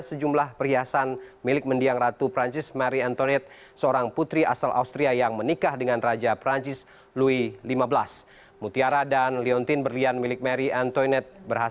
sejumlah koleksi perhiasan keluarga